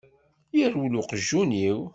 Yerwel uqjun-iw.